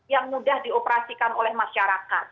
yang mudah dioperasikan oleh masyarakat